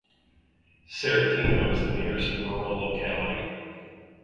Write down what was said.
Seretino is the nearest rural locality.